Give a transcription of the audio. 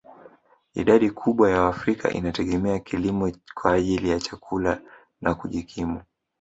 Idadi kubwa ya waafrika inategemea kilimo kwa ajili ya chakula na kujikimu